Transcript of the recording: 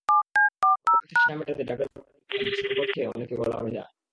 গরমে তৃষ্ণা মেটাতে ডাবের পানি কিংবা লেবুর শরবত খেয়ে অনেকে গলা ভেজান।